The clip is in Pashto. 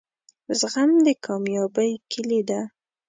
زغم دکامیابۍ کیلي ده